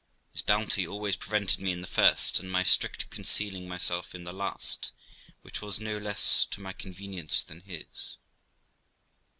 His bounty always prevented me in the first, and my strict concealing myself in the last, which was no less to my convenience than his.